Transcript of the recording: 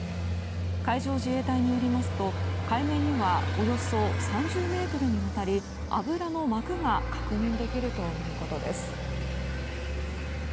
海上自衛隊によりますと海面にはおよそ３０ｍにわたり油の膜が確認できるということです。